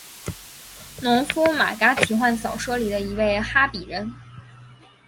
农夫马嘎奇幻小说里的一位哈比人。